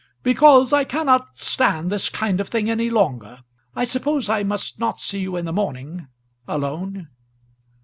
"Because I cannot stand this kind of thing any longer. I suppose I must not see you in the morning, alone?"